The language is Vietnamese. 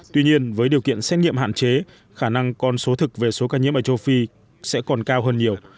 tuy nhiên với điều kiện xét nghiệm hạn chế khả năng con số thực về số ca nhiễm ở châu phi sẽ còn cao hơn nhiều